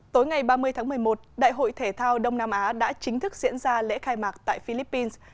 tối ngày ba mươi tháng một mươi một đại hội thể thao đông nam á đã chính thức diễn ra lễ khai mạc tại philippines